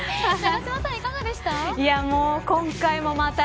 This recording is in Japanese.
永島さん、いかがでした。